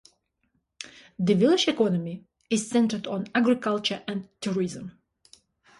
The village economy is centred on agriculture and tourism.